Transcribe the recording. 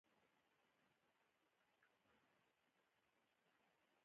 زه له خپلو خطاوو څخه زدکړه کوم.